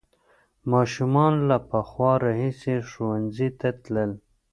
ماشومان له پخوا راهیسې ښوونځي ته تلل.